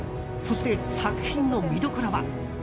そして、作品の見どころは？